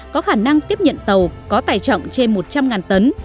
có khả năng tiếp nhận tàu có tài trọng trên một trăm linh tấn